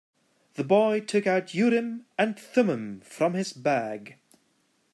The boy took out Urim and Thummim from his bag.